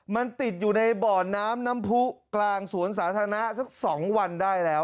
มันติดอยู่ในบ่อน้ำน้ำผู้กลางสวนสาธารณะสัก๒วันได้แล้ว